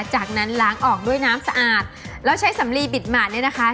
จากนั้นล้างออกด้วยน้ำสะอาดแล้วใช้สำลีบิดหมาดเนี่ยนะคะ